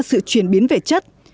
sự chuyển biến về chất